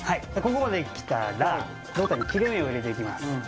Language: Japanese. ここまできたら胴体に切れ目を入れていきます